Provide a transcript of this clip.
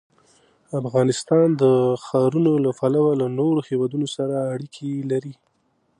افغانستان د ښارونه له پلوه له نورو هېوادونو سره اړیکې لري.